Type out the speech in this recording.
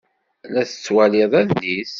La tettwalid adlis?